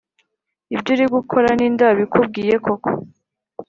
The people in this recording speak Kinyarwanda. ibyo uri gukora ninde wabikubwiye koko.